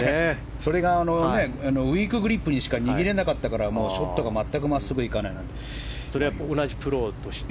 それがウィークグリップにしか握れなかったから、ショットが全く真っすぐいかないなんて。